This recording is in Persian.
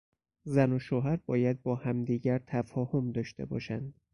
زن و شوهر باید با همدیگر تفاهم داشته باشند.